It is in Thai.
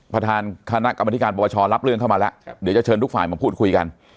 ประธานคณะกรรมธิการปวชรับเรื่องเข้ามาแล้วเดี๋ยวจะเชิญทุกฝ่ายมาพูดคุยกัน